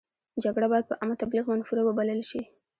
جګړه باید په عامه تبلیغ منفوره وبلل شي.